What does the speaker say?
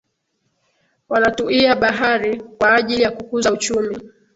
Wanatuia bahari kwaajili ya kukuza uchumi